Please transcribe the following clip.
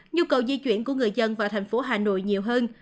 nhu cầu di chuyển của người dân vào thành phố hà nội nhiều hơn